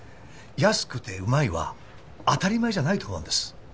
安くてうまいは当たり前じゃないと思うんです。